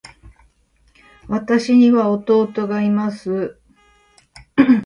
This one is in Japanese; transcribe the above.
私には弟がいます。